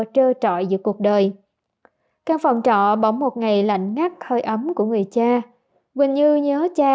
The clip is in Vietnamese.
trơ trọi giữa cuộc đời căn phòng trọ bỏng một ngày lạnh ngắt hơi ấm của người cha quỳnh như nhớ cha